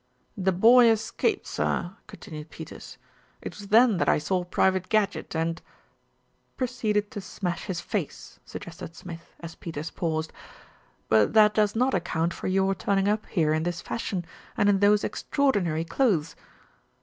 "The boy escaped, sir," continued Peters. "It was then that I saw Private Gadgett and " "Proceeded to smash his face," suggested Smith, as Peters paused. "But that does not account for your turning up here in this fashion, and in those extraordinary clothes."